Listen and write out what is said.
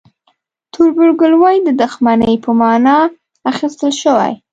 تربورګلوي د دښمنۍ په معنی اخیستل شوی.